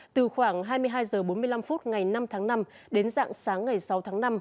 từ khoảng hai mươi hai h bốn mươi năm phút ngày năm tháng năm đến dạng sáng ngày sáu tháng năm